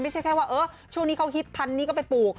ไม่ใช่แค่ว่าช่วงนี้เขาฮิตพันนี้ก็ไปปลูก